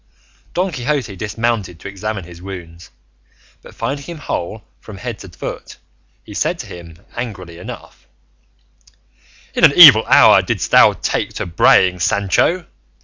Don Quixote dismounted to examine his wounds, but finding him whole from head to foot, he said to him, angrily enough, "In an evil hour didst thou take to braying, Sancho!